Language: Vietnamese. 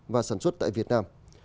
và sản xuất tại việt nam